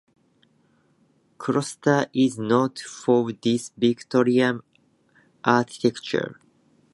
Colchester is noted for its Victorian architecture.